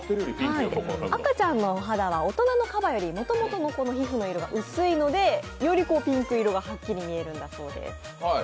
赤ちゃんのカバは大人のカバより肌の色が薄いので、よりピンク色がはっきり見えるんだそうです。